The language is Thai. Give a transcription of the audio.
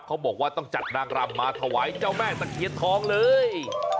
เขาบอกว่าต้องจัดนางรำมาถวายเจ้าแม่ตะเคียนทองเลย